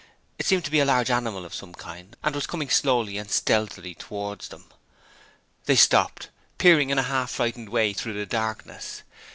It seemed to be a large animal of some kind and was coming slowly and stealthily towards them. They stopped, peering in a half frightened way through the darkness.